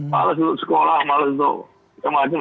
males untuk sekolah males untuk semacam